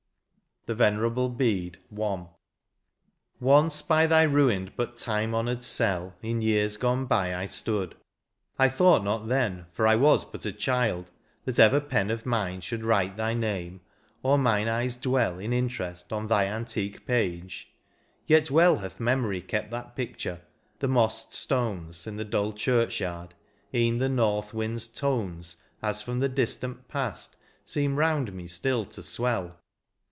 43 XXI. THE VENERABLE BEDE. — I. Once by thy ruined but time honoured cell , In years gone by I stood ; I thought not then, For I was but a child, that ever pen Of mine should write thy name, or mine eyes dwell In interest on thy antique page, — yet well Hath memory kept that picture; the mossed stones In the dull churchyard — e en the north wind's tones. As from the distant past, seem round me still to swell.